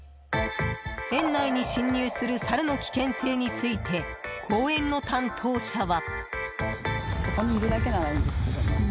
園内に侵入するサルの危険性について公園の担当者は。